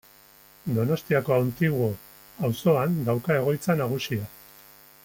Donostiako Antiguo auzoan dauka egoitza nagusia.